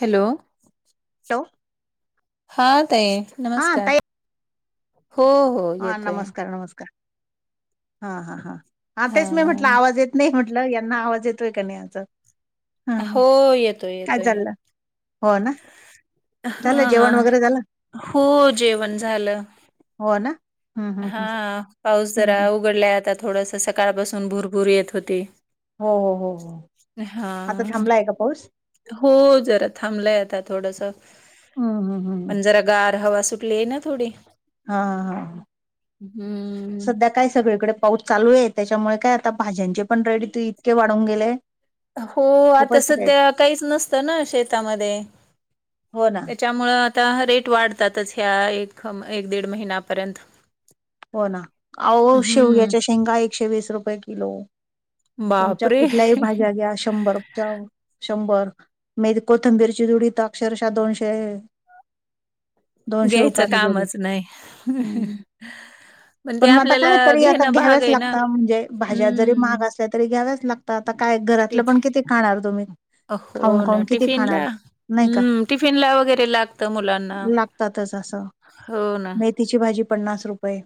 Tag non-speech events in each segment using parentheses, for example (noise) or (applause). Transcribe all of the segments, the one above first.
Hello hello हा ताई हा नमस्कार ताई हो हो हा येतोय नमस्कार नमस्कार हा हा हा हा तेच मी म्हटलं आवाज येत नाही म्हटलं म्हटल यांना आवाज येतोय का नाही याचा? हं हो येतोय काय येतोय चाललं हो ना झालं हा जेवण वगैरे झालं हो जेवण झालं हो ना. हं, हं, हा हं. पाऊस जरा हं. उघडलाय आता थोडंसं सकाळपासून भुरभूर येत होती. हो हो हो हा आता थांबला आहे का पाऊस? हो जरा थांबलंय आता थोडंसं हं, हं, हं. पण जरा गार हवा सुटली आहे ना थोडी हा हा हम्म सध्या काय सगळीकडे पाऊस चालू आहे त्याच्यामुळे काय आता भाज्यांचे पण रेट इतके वाढून गेले. हो आता खूपच रेट सध्या काहीच नसतं ना शेतामध्ये हो ना त्यामुळं आता रेट वाढतातच ह्या एक एक दीड महिन्यापर्यंत हो ना अहो हम्म शेवग्याच्या शेंगा एकशे वीस रुपये किलो तुमच्या बापरे! कुठल्याही भाज्या घ्या शंभर शंभर मेथी कोथंबीरची जुडी तर अक्षरशः दोनशे (inaudible) घ्यायचं रुपयाला जोडी कामच नाही. हम्म. ते पण मग आता आपल्याला कायतरी आता घेणं भाग घ्याव्याच आहे ना. लागतं म्हणजे भाज्यात जरी हं. महाग असल्या तरी घ्याव्याच लागतं. आता काय घरातलं टिफ पण किती खाणार तुम्ही? हो खाऊन ना खाऊन किती टिफिन खाणार ला नाही का हम्म टिफिन ला वगैरे लागतं मुलांना लागतातच असं हो ना मेथीची भाजी पन्नास रुपये.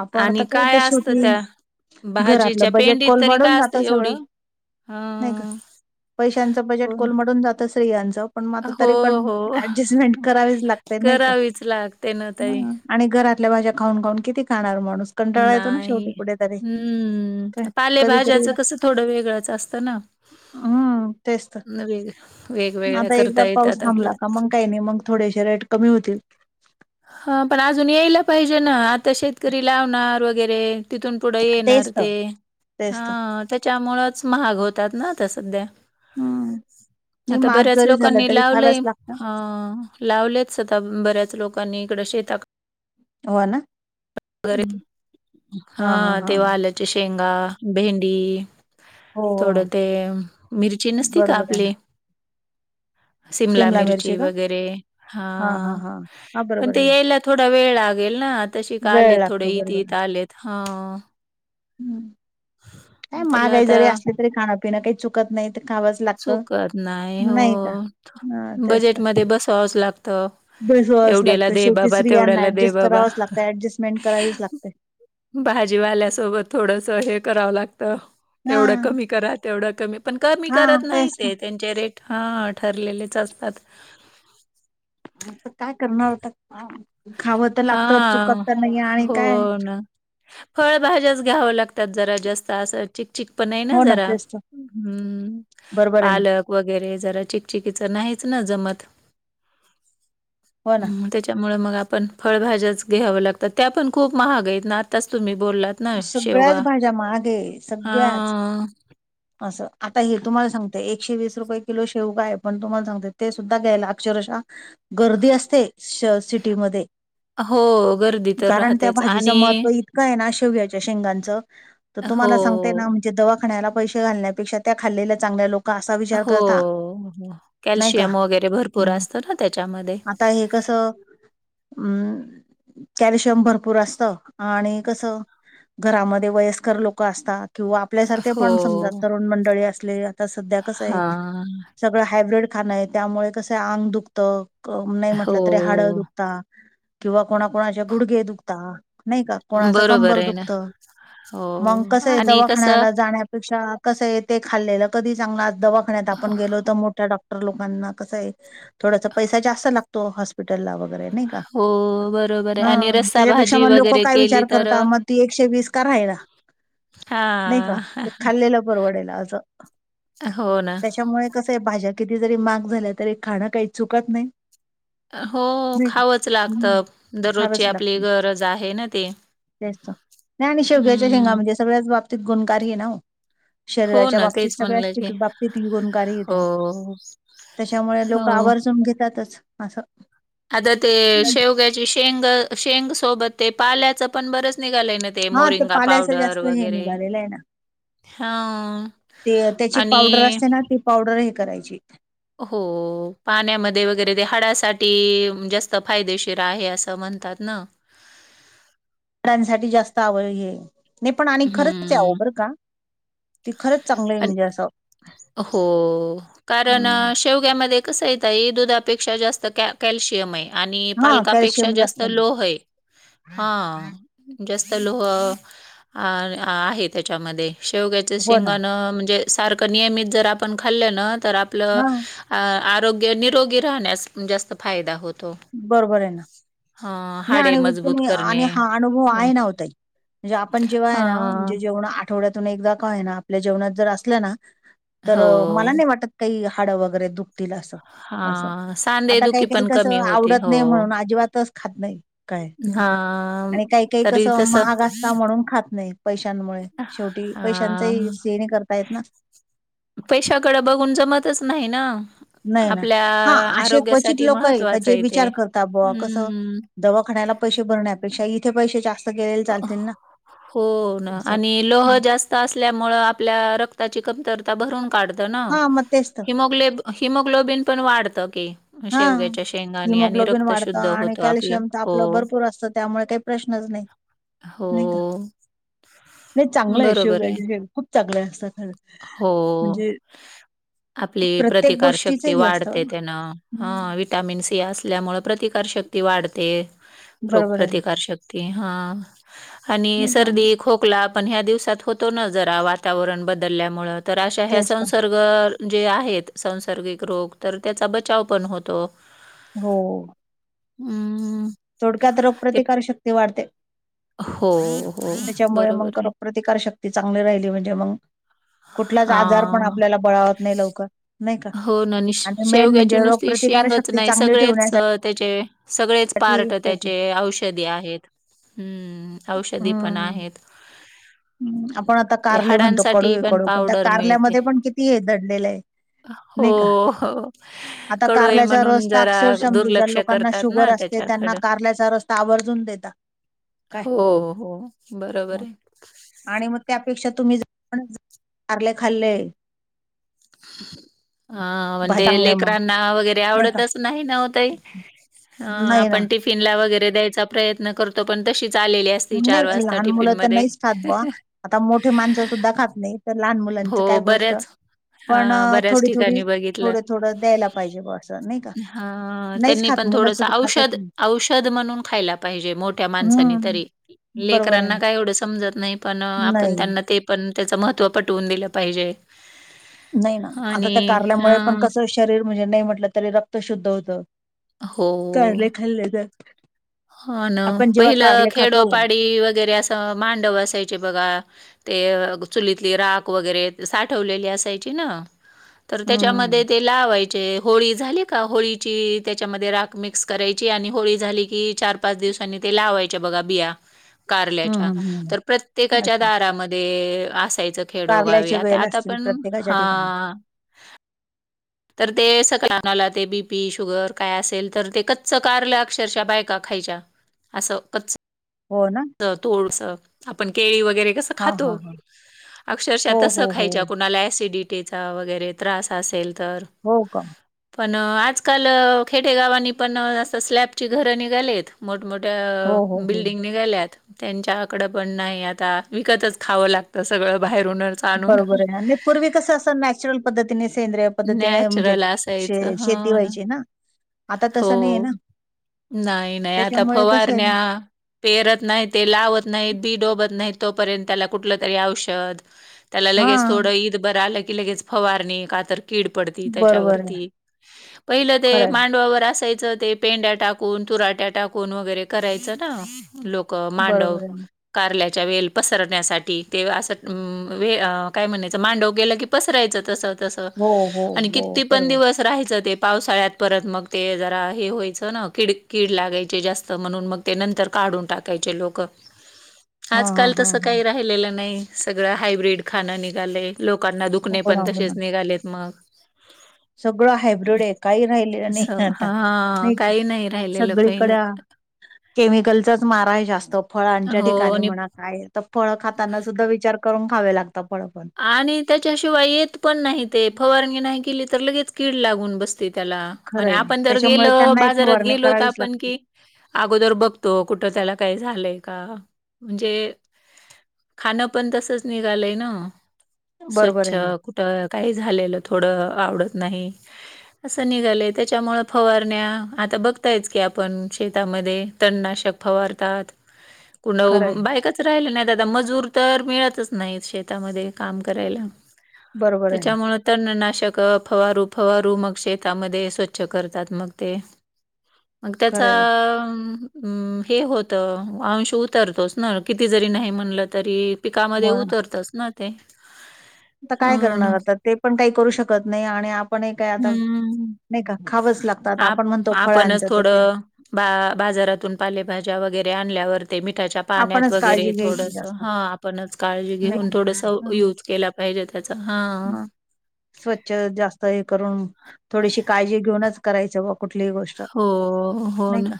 आपण आणि आता काय तर असतं शेवटी त्या भाजीच्या घरातलं बजेट पेंडीत तरी कोलमाडून काय असतं जातं एवढी? सगळं. नाही का हं. पैशांचं बजेट हो ना. कोलमडून जात यांचं पण मग आता हो, तरी पण हो. ऍडजस्टमेंट करावीच लागते नाही का करावीच लागते ना ताई. हम्म. आणि घरातल्या भाज्या खाऊन खाऊन किती खाणार माणूस कंटाळा येतो ना शेवटी नाही कुठेतरी काय हम्म कधीतरी पालेभाज्याच कसं थोडं वेगळंच असतं ना हं तेच तर वेग वेगवेगळ्या आता करता एकदा पाऊस येतात आपल्या थांबला का मग काही नाही मग थोडेसे रेट कमी होतील. हा पण अजून यायला पाहिजे ना आता शेतकरी लावणार वगैरे तिथून पुढे येणार तेच तर ते तेच तर हा त्याच्यामुळेच महाग होतात ना आता सध्या हं नाही आता महाग बऱ्याच जरी झालं लोकांनी तरी लावलंय खायलाच लागतं ह लावलेच आता बऱ्याच लोकांनी इकडं शेताकडे हो ना रे हं. हां, हां, हा हां. तेव्हा आलंच (unintelligible) शेंगा भेंडी हो, थोडं हो. ते मिरची नसती का बरोबर आहे ना. आपली? सिमला मिरची वगैरे हां. हां, पण बरोबर ते आहे ना. यायला थोडा वेळ लागेल ना, तशी का वेळ आलेत थोडे लागतो येत बरोबर येत आलेत हां. हम्म काय त्याला माहगाई आता जरी असली तरी खाण पिण काही चुकत नाही ते खावच चुकत नाही हो हां, बजेटमध्ये बसवावच लागत. बसवावच लागतं शेवटी स्त्रियांना दे ऍडजस्ट बाबा. करावच लागतं ऍडजस्टमेंट करावीच लागते. भाजीवाल्यासोबत थोडस हे करावं लागत हा एवढं कमी करा. तेवढं कमी पण कमी हा करत नाही तेच ना ते त्यांचे रेट हं ठरलेलेच असतात. त काय करणार आता खावं तर लागत चुकत हां, त नाहीे आणि हो काय? ना. फळभाज्याच घ्यावं लागतात जरा जास्त असं चिकचिक पण आहे ना हो जरा तेच तर हम्म बरोबर आहे ना पालक वगैरे जरा चिकचिकीच नाहीच ना जमत हो ना हम्म त्याच्या त्यामुळे मग आपण फळभज्याच घ्याव लागतात, त्या पण खूप महाग आहेत ना आताच तुम्ही बोललात. नाई सगळ्याच शेवगा भाज्या महाग आहे आ सगळ्याच असं आता हे तुम्हाला सांगते एकशे वीस रुपये किलो शेवगा हाय पण तुम्हाला सांगते ते सुद्धा द्यायला अक्षरशः गर्दी असते श सिटीमध्ये. हो, गर्दी तर कारण त्या राहतेच भाजीचं आणि महत्त्व इतकं आहे ना शेवयाच्या शेंगांचं. त हो, तुम्हाला सांगते ना म्हणजे दवाखान्याला पैशे घालण्यापेक्षा त्या खाल्लेल्या चांगल्या लोक असा विचार हो करता अ नाही का कॅल्शियम वगैरे भरपूर हं. असतं ना त्याच्यामध्ये. आता हे कसं म कॅल्शियम भरपूर असत आणि कसं घरामध्ये वयस्कर लोक असतात. किंवा आपल्यासारखे हो, पण समजा तरुण मंडळी असले आता सध्या कसय हां. सगळं हायब्रीड खाणं आहे त्यामुळे कसं आंग दुखतं क नाही हो, म्हटलं तरी हाडं दुखता किंवा कोणाकोणाचे गुडघे दुखता. नाही का कोणाच बरोबर कंबर आहे ना. दुखत हो मग कसं आहे आणि कसं दवाखान्याला जाण्या पेक्षा कसं आहे ते खाल्लेलं कधीही चांगलय, आज दवाखान्या आपण गेलो तर मोठ्या डॉक्ट टर लोकांना कसय थोडासा पैसा जास्त लागतो हॉस्पिटलला वगैरे. नाही का हो बरोबर आहे आणि हम्म रस्सा त्याच्यापेक्षा भाजी मग लोकं वगैरे काय केली विचार तर करता अ, मग त एकशे वीस का राहे ना नाही का हां. ते खाल्लेल परवडेल असं हो ना. त्याच्या त्यामुळे कसंय भाज्या किती जरी महाग झाल्या तरी खाणं काही चुकत नाही हो नाही का खावंच हम्म लागतं दररोजची आपली गरज आहे ना ते. तेचत नाही आणि शेवग्याच्या शेंगा म्हणजे सगळ्याच बाबतीत गुणकारी है ना ओ. हो शरीराच्या ना बाबतीत तेच सगळ्याच म्हणलं ठी की. बाबतीत गुणकारीये हो, त्या. (inaudible) त्याच्यामुळे हो. लोक आवर्जून घेतातच असं. आता ते शेवग्याची शेंग शेंग सोबत ते पाल्याचं पण बरच निघालाय ना हा ते मोरिंगा पाल्याचं पावडर जास्त हे वगैरे. निघालेलं आहे ना. हां. ते त्याची आणि पावडर असते ना ती पावडर हे करायची. हो पाण्यामध्ये वगैरे ते हाडासाठी जास्त फायदेशीर आहे असं म्हणतात न. हांडासाठी जास्त आवय हे नाही पण आणि खरंच च आहे हं. आवो बर का ती खरंच चांगलं आहे अन म्हणजे असं. हो कारण हम्म अ. शेवग्यामध्ये कसंय ताई दुधापेक्षा जास्त कॅ कॅल्शियम आहे. आणि हा पालकापेक्षा कॅल्शियम जास्त नाही लोहय. हा जास्त लोह अ अ आहे त्याच्यामध्ये शेवग्या. शेंगा ना म्हणजे सारख नियमित जर आपण खाल् ना तर आपल. हा आरोग्य निरोगी राहण्यास जास्तं फायदा होतं. बरोबर आहे ना, नाही हाडे आणि मजबूत त करणे आणि हा अनुभव हो ना. आहे नव ताई. म्हणजे आपण जेव्हा आहे ना म्हणजे हां. जे जेवणा अट. आठवड्यातून एकदा का होईना आपल्या जेवणात जर असलना तर हो. मला नाही वाटत. काही हाड वगैरे दुखतील असं असं हां, आता काही सांधेदुखी काही पण क. कमी होते. आवडत हो. नाही म्हणून अजिबातच खात नाही. काय हां. आणि काही काही तरी कसं तसं महाग असता म्हणून खात नाहीत. पैशांमुळे, शेवटी पैशांचाही हां, सेविंग करतायेत ना. पैशाकडं बघून जमतच नाही ना, नाही ना, आपल्या हा अशे क्वचित आरोग्यासाठी लोक आहे का महत्वाचं जे ते. विचार हं. करतात बवा कसं हं. दवाखान्याला पैसे भरण्यापेक्षा इथे पैसे जास्त गेलेले अ चालतील ना हो ना असं आणि लोह जास्त. असल्यामुळे, आपल्या रक्ताची कमतरता भरून काढत ना. हा मग तेच तर हीमोग्लोबीन हिमोग्लोबिन पण वाढतं की, हा शेवग्याच्या शेंगांनी आणि हिमोग्लोबिन रक्त वाढतं शुद्ध आणि होतं आपलं. कॅल्शियम तर हो, आपलं भरपूर असतं त्यामुळे काय प्रश्नच नाही नाही का? हो. नाही चांगलं आहे शेवग्याची शेग खूप चागल असतात. खरं हो म्हणजे आपली प्रत्येक प्रतिकार गोष्टीच शक्ती हे वाढते असतं. त्यानं, हा विटामिन सी असल्यामुळे प्रतिकारशक्ती वाढते रोग बरोबर आहे प्र्रतिकारशक्ती. ते हा आणि नाही का? सर्दी, खोक खला, आपण ह्या दिवसात होतो ना जरा वातावरण बदलल्यामुळे, तर अशा ह्या तेच तर संसर्ग जे आहेत संसर्गिक रोग, तर त्याचा बचाव पण होतो. बर. हम्म हम्म. थोडक्यात रोग प्रतिकारशक्ती वाढते. हो हो. त्याच्यामुळे बरोबर मंग आहे. प्रतिकारशक्ती चांगली राहिली म्हणजे मंग. कुठलाच आजार पण हां. आपल्याला बळावत नाही. लवकर नाही का हो ना, नि आणि मेन शेवग्याची म्हणजे नुसती रोगप्रतिकार शेंगच शक्ती नाही चांगली सगळेच, ठेवण्यासाठी त्याचे सगळेच पार्ट त्याचे औषधी आहेत ह्म. औषधी पणा आहेत. ह आपण आता ते कारले म्हणतो कडू हाडांसाठी कडू पण त्या पावडर मिळते. कारल्यामध्ये पण किती हे दडलेलं आहे. हो, नाही का हो. आता कडू आहे कारल्याचा म्हणून रस् तर जरा अक्षरशा 'म्हणजे ज्या लोक. दुर्लक्ष लोकांना करतात ना शुगर असते त्यांना, त्याच्याकडं. कारल्याचा रस तर आवर्जून देता. काय हो हो बरोबर मग आहे. आणि मग त्यापेक्षा तुम्ही ज प कारले खाल्ले. (unintelligible) अ.. भाजी म्हणजे चांगलं मग लेकरांना वगैरे नाही का आवडतच नाही ना, ओ ताई अं.. नाही ना आपण टिफी न ला वगैरे द्यायचा प्रयत्न करतो पण तशीच झालेली आहे. नाही लहान मुलं तर नाहीच खात ब आता मोठी माणसं सुद्धा खात नाही. तर लहान मुलांच हो, काय गोष्ट. बऱ्याच पण हां, बऱ्याच थोडी- थोडी, ठिकाणी बघितलं. थोड -थोडं द्यायला पाहिजे ब असं नाही का? हां, नाहीच त्यांनी खात पण मुलं थोडंसं तर खातच औषध नाही औषध म्हणून खायला पाहिजे मोठ्या माणसानी हम्म तरी. बरोबर आहे लेकरांना ना काय एवढं समजत नाही, पण अ आपण नाही त्यांना ते पण त्याचं महत्त्व पटवून दिलं पाहिजे. नाही ना, आता त्या आणि कारल्यामुळे पण हां, कसं श शरीर म्हणजे नाही म्हटलं तरी रक्त शुद्ध होतं, हो, कारले खाल्ले तर हो ना, आपण जेव्हा पहिलं कारले खातो खेडोपाडी वगैरे असं मांडव असायचे बघा. ते अ चुलीतली राख वगैरे साठवलेली असायची ना, तर त्याच्यामध्ये हम्म ते लावायचे, होळी झाली का होळीची त्याच्यामध्ये राख मिक्स करायची आणि होळी झाली की चार पाच दिवसांनी ते लावायच्या बघा बिया हम्म कारल्याच्या, हम्म तर हम्म प्रत्येकाच्या अच्छा दारामध् ध्ये असायचं खेडोगावी कारल्याच्या आता वेल आता असतील पण प्रत्येकाच्या ठिकाणी हा. तर ते (unintelligible) ते बीपी शुगर काय असेल तर ते कच्च कारलं अक्षरशः बायका खायच्या. असं कच्च हो ना? अ तुळस अ आपण केळी वगैरे असं हा खातो, हा हा अक्षरशः हो हो तसं हो खायच्या कुणाला ऍसिडी टीचा वगैरे त्रास असेल तर. हो का? पण आजकाल खेडेगावांनी पण असं स्लॅबची घरं निघालेत. मोठमोठ्या हो अ हो हो बिल्डिंग निघाल्यात. त्यांच्याकडं पण नाही आता, विकतच खावं लागतं सगळं बाहेरून बरोबर आहे, आणि पूर्वी कसं असं ने चरल पद्धतीने सेंद्रिय पद्धतीने म्हणजे, नॅचरल श असायचं. हो शेती व्हायची ना. आता तसं नाही आहे हो. ना. नाही नाही, आता त्याच्यामुळे कसं फवारण्या आहे पेरत नाही ते लावत नाहीत बी डोबत नाही, तोपर्यंत त्याला कुठलं तरी औषध त्याला लगेच हा थोडं ईद बरं आलं की लगेच फवारणी, का तर कीड पडती बरोबर आहे त्याच्यावरती, पहिलं ते खरं आहे मांडवावर असायचं ते पेंड्या टाकून, तुराट्या टाकून वगैरे करायचं ना लोकं मांडव. बरोबर आहे कारल्याच्या वेल पसरण्यासाठी, ते असं मावे अ काय म्हणायचं मांडव गेलं की पसरायचं तसं तसं. हो हो आणि हो, किती पण बरोबर. दिवस राहायचं ते पावसाळ्यात परत मग ते जरा हे व्हायचं ना, किड कीड लागायची जास्त म्हणून मग ते नंतर काढून टाकायचे लोकं. (inaudible) आजकाल हा तसं हो काही राहिलेलं नाही, सगळं हायब्रीड खाणं निघालंय. लोकांना दुखणे ना पण हो तसेच ना निघालेत मग. सगळं हायब्रीड आहे काही राहिलेलं नाही असं आता हा नाही काही राहिलेलं सगळीकडे पहिलं आ केमिकलचाच मारा आहे जास्त फळांच्या हो ठिकाणी आणि म्हणा. काय आता फळं खाताना सुद्धा विचार करून खावे लागता फळ पण. आणि त्याच्याशिवाय येत पण नाही ते, फवारगी नाही केली तर लगेच कीड लागून बस ते त्याला आणि खरंय आपण जर त्याच्यामुळे गेलं, त्यांना एक बाजारात फवारणी गेलो तर करावीच आपण लागते की अगोदर बघतो कुठं त्याला काही झालंय का, म्हणजे खाणं पण तसंच निघालंय ना. बरोबर स्वच्छ आहे ना कुठं काही झालेलं थोडं आवडत नाही. असं निघालंय, त्याच्यामुळे फवारण्या आता बघतायच की आपण शेतामध्ये तण नाशक फवारतात. (inaudible) कुड खरंय बायकाच राहिले नाहीत आता मजूर तर मिळतच नाहीत शेतामध्ये. काम करायला, बरोबर आहे ना त्याच्यामुळे तन नाशक फवारू फवारू मग शेतामध्ये स्वच्छ करतात मग ते मग त्याचा खरंय हम्, हे होत अंश उतरतोच ना किती जरी नाही म्हणलं तरी पिकामध्ये हो ना उतरतस ना ते. आता काय हो ना. करणार आता ते पण काही करू शकत नाही आणि पण काय आता, हं. नाही का खावंच लागतात आप आपण म्हणतो फळांच आपणच तर ते थोडं बा- बाजारातून पालेभाज्या वगैरे आणल्यावर ते मिठाच्या पाण्यात आपणच वगैरे काळजी घ्यायची थोडस जास्त हा आपणच काळजी नाही घेऊन का थोडस हं, यूज के पाहिजे त्याचा हा हं. स्वच्छ जास्त हे करून थोडीशी काळजी घेऊनच करायचं बघ कुठली गोष्ट हो, हो नाही ना. का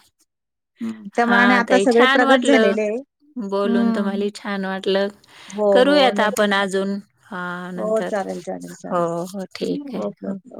त्या मना हां, आता ताई सगळे छान प्रगत वाटलं झाले. ह (unintelligible) बोलून तम्हाला छान वाटलं, हो हो करूयात नाही आपण अजून ह हो नंतर चालेल चालेल हो चालेल हो ठीक हं, ओके आहे. ओके.